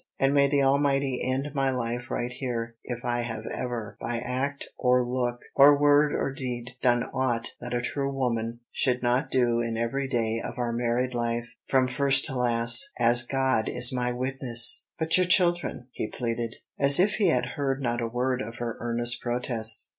And may the Almighty end my life right here, if I have ever, by act or look, or word or deed, done aught that a true woman should not do in every day of our married life, from first to last, as God is my witness!" "But your children?" he pleaded, as if he had heard not a word of her earnest protest.